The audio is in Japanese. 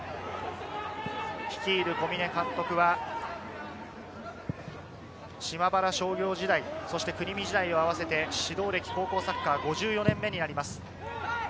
率いる小嶺監督は島原商業時代、国見時代を合わせて指導歴、高校サッカー５４年目になります。